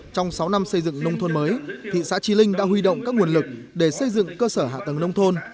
trong sáu năm xây dựng nông thôn mới thị xã trí linh đã huy động các nguồn lực để xây dựng cơ sở hạ tầng nông thôn